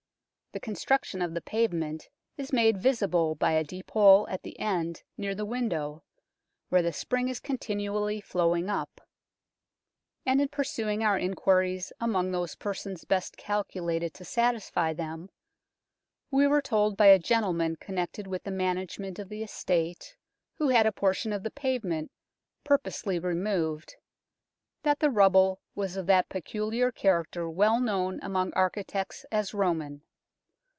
The construction of the pavement is made visible by a deep hole at the end near the window, where the spring is continually flowing up ; and in pursuing our inquiries among those persons best calculated to satisfy them, we were told by a gentleman connected with the management of the estate, who had a portion of the pavement purposely removed, that the rubble was of that peculiar character well known among architects as Roman.